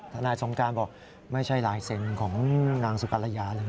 นายสงการบอกไม่ใช่ลายเซ็นต์ของนางสุกรยาเลย